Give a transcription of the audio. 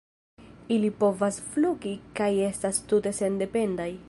Ili povas flugi kaj estas tute sendependaj.